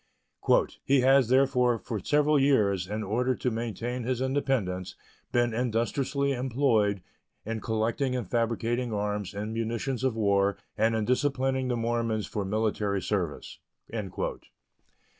"He has therefore for several years, in order to maintain his independence, been industriously employed in collecting and fabricating arms and munitions of war and in disciplining the Mormons for military service."